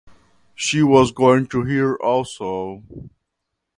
She was going to hear also.